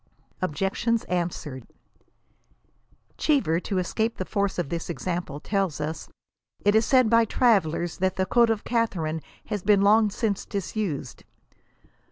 OBJECTIONS ANSWERED. Cheever, to escape the force of this example, tells us " it is said by travellers that the code of Catharine has been long since disused."